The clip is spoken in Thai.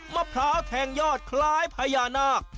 มะพร้าวแทงยอดคล้ายพญานาค